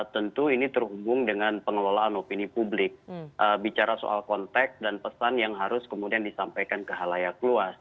tentu ini terhubung dengan pengelolaan opini publik bicara soal konteks dan pesan yang harus kemudian disampaikan ke halayak luas